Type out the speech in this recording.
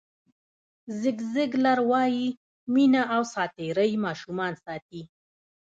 زیګ زیګلر وایي مینه او ساعتېرۍ ماشومان ساتي.